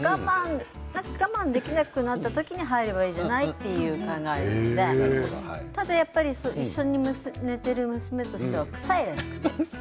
我慢できなくなった時に入ればいいじゃないっていう考えでただ一緒に寝ている娘としてはくさいらしくて。